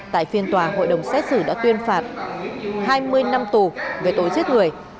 tại phiên tòa hội đồng xét xử đã tuyên phạt hai mươi năm tù về tối chết người